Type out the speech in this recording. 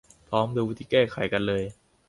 พร้อมดูวิธีแก้ไขกันเลย